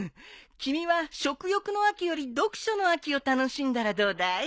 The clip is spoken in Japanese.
君は食欲の秋より読書の秋を楽しんだらどうだい？